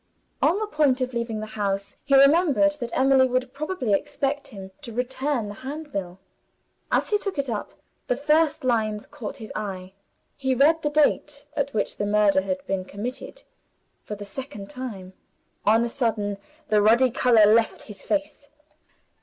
On the point of leaving the house, he remembered that Emily would probably expect him to return the Handbill. As he took it up, the first lines caught his eye: he read the date at which the murder had been committed, for the second time. On a sudden the ruddy color left his face.